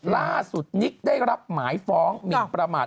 ล่าสุดนิกได้รับหมายฟ้องหมินประมาท